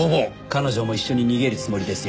彼女も一緒に逃げるつもりですよ。